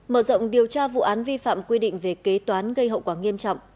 mở rộng điều tra vụ án vi phạm quy định về kế toán gây hậu quả nghiêm trọng